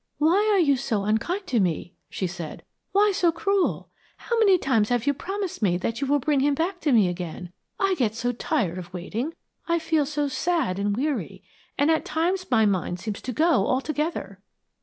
"Why are you so unkind to me?" she said. "Why so cruel? How many times have you promised me that you will bring him back to me again? I get so tired of waiting, I feel so sad and weary, and at times my mind seems to go altogether."